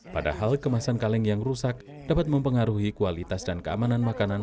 padahal kemasan kaleng yang rusak dapat mempengaruhi kualitas dan keamanan makanan